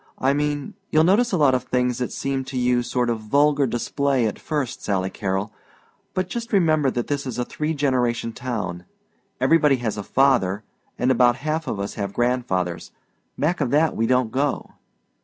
I mean you'll notice a lot of things that'll seem to you sort of vulgar display at first, Sally Carrol; but just remember that this is a three generation town. Everybody has a father, and about half of us have grandfathers. Back of that we don't go."